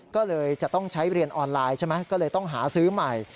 ก็เลยจะต้องใช้เรียนออนไลน์ใช่ไหมก็เลยต้องหาซื้อใหม่